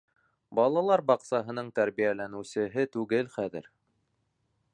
Балалар баҡсаһының тәрбиәләнеүсеһе түгел хәҙер!